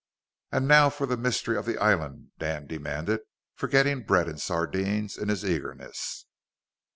"And now for the mystery of the island," Dan demanded, forgetting bread and sardines in his eagerness.